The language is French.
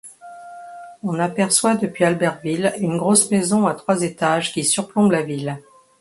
On aperçoit depuis Albertville une grosse maison à trois étages qui surplombe la ville.